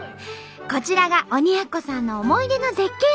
こちらが鬼奴さんの思い出の絶景